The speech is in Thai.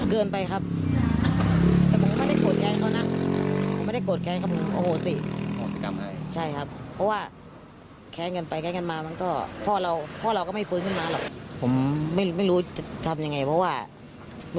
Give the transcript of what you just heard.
เกินไปครับแต่ผมก็ไม่ได้โกรธแขนเขานะที่ข้างเกิดอะไรก็มีสมบัติ